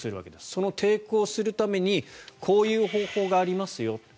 その抵抗をするためにこういう方法がありますよ。